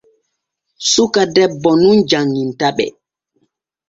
Suka debbo nun janŋintaɓe.